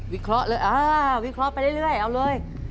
วิเคราะห์ไปเร่อยเอ้าเลย